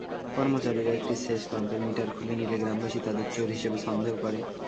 কর্মচারীরা একটি সেচপাম্পের মিটার খুলে নিলে গ্রামবাসী তাঁদের চোর হিসেবে সন্দেহ করে।